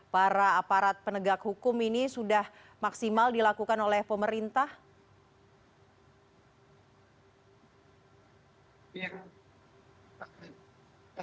para aparat penegak hukum ini sudah maksimal dilakukan oleh pemerintah